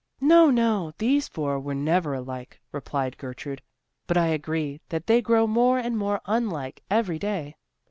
"No, no, these four were never alike," replied Gertrude, "but I agree that they grow more and more unlike every day."